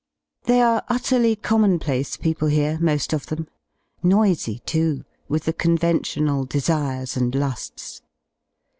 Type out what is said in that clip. <They are utterly commonplace people here, mo^ of hem: noisy, too, with the conventional desires and lu^s.